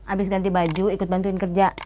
abis ganti baju ikut bantuin kerja